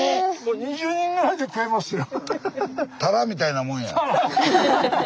２０人ぐらいで食えますよ。